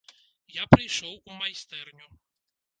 Я прыйшоў у майстэрню.